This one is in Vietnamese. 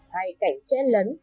hay cảnh chẽn lấn